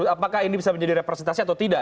apakah ini bisa menjadi representasi atau tidak